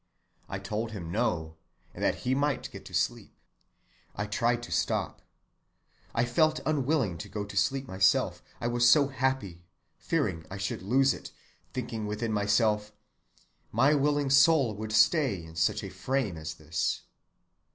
I told him no, and that he might get to sleep. I tried to stop. I felt unwilling to go to sleep myself, I was so happy, fearing I should lose it—thinking within myself 'My willing soul would stay In such a frame as this.